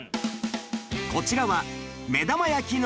こちらは目玉焼きのオブジェ